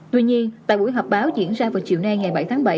tuy nhiên tại buổi họp báo diễn ra vào chiều nay ngày bảy tháng bảy